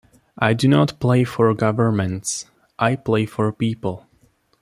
I do not play for Governments, I play for people.